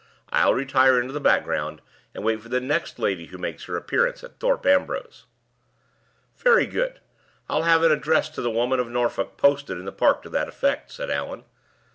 I'll retire into the background, and wait for the next lady who makes her appearance at Thorpe Ambrose." "Very good. I'll have an address to the women of Norfolk posted in the park to that effect," said Allan.